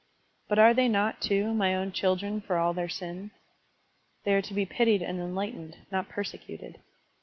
But are they not, too, my own children for all their sins? They are to be pitied and enlightened, not persecuted.